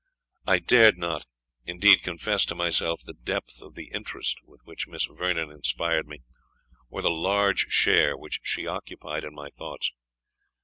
I dared not, indeed, confess to myself the depth of the interest with which Miss Vernon inspired me, or the large share which she occupied in my thoughts.